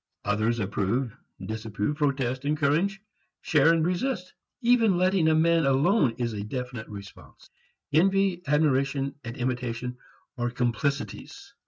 Others approve, disapprove, protest, encourage, share and resist. Even letting a man alone is a definite response. Envy, admiration and imitation are complicities.